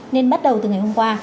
nên bắt đầu từ ngày hôm qua